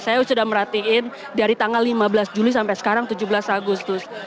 saya sudah merhatiin dari tanggal lima belas juli sampai sekarang tujuh belas agustus